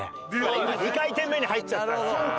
２回転目に入っちゃったから。